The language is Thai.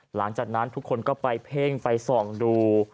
หลังจากนั้นทุกคนก็ไปเพ่งไปส่องดู